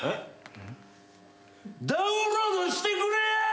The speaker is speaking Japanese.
ダウンロードしてくれや！